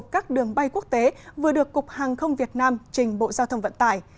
các đường bay quốc tế vừa được cục hàng không việt nam trình bộ giao thông vận tải